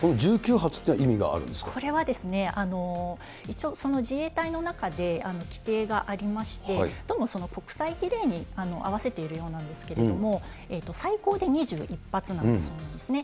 １９発というのは意味があるこれは一応自衛隊の中で規定がありまして、どうもその国際儀礼に合わせているようなんですけれども、最高で２１発なんだそうなんですね。